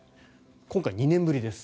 今回、２年ぶりです。